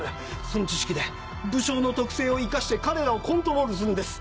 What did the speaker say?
その知識で武将の特性を生かして彼らをコントロールするんです。